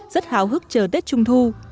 rất hào hức chờ tết trung thu